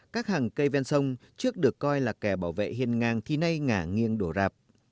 các hàng cây ven sông trước được coi là kẻ bảo vệ hiền ngang thì nay ngả nghiêng đổ rạp